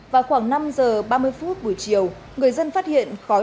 vào khoảng năm giờ ba mươi phút buổi chiều người dân phát hiện khói